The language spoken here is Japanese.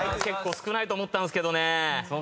結構少ないと思ったんすけどね。